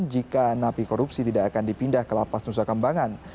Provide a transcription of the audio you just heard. jika napi korupsi tidak akan dipindah ke lapas nusa kambangan